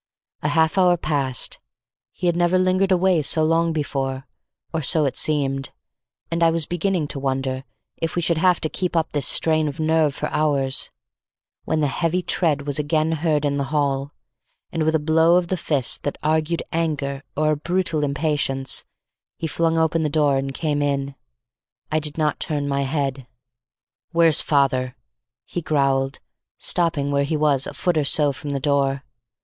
A half hour passed; he had never lingered away so long before, or so it seemed, and I was beginning to wonder if we should have to keep up this strain of nerve for hours, when the heavy tread was again heard in the hall, and with a blow of the fist that argued anger or a brutal impatience, he flung open the door and came in, I did not turn my head. "Where's father?" he growled, stopping where he was a foot or so from the door.